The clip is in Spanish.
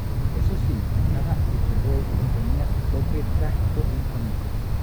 Eso sí, cada autogol contenía su toque trágico y cómico.